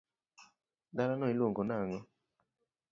dalano iluongo nang'o?